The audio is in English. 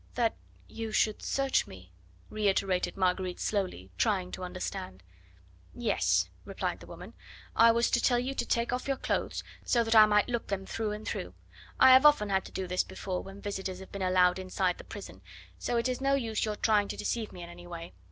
"That you should search me!" reiterated Marguerite slowly, trying to understand. "Yes," replied the woman. "I was to tell you to take off your clothes, so that I might look them through and through. I have often had to do this before when visitors have been allowed inside the prison, so it is no use your trying to deceive me in any way.